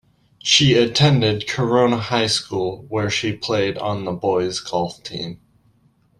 She attended Corona High School where she played on the boys' golf team.